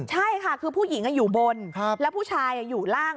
ใช่ค่ะคือผู้หญิงอยู่บนแล้วผู้ชายอยู่ล่าง